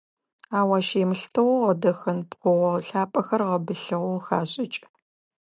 Ау ащ емылъытыгъэу гъэдэхэн пкъыгъо лъапӏэхэр гъэбылъыгъэу хашӏыкӏы.